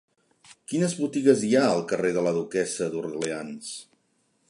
Quines botigues hi ha al carrer de la Duquessa d'Orleans?